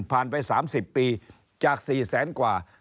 ไป๓๐ปีจาก๔แสนกว่า